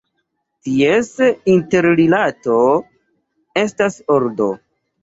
Ties interrilato estas ordo.